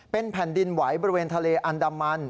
เป็นแผ่นดินไหวบริเวณทะเลอันดามัน